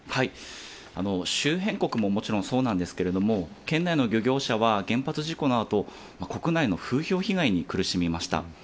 周辺国ももちろんそうなんですけれども、県内の漁業者は、原発事故のあと、国内の風評被害に苦しみました。